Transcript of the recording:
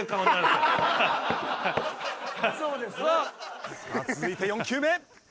さあ続いて４球目。